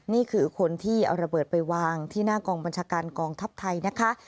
นี่คือคนที่เอาระเบิดไปวางที่หน้ากองบัญชาการกองทัพไทยนะคะ